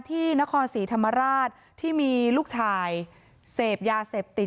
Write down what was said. ที่นครศรีธรรมราชที่มีลูกชายเสพยาเสพติด